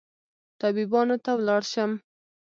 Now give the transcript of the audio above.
طبيبانو ته ولاړ شم